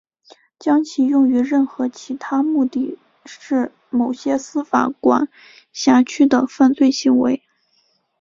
将其用于任何其他目的是某些司法管辖区的犯罪行为。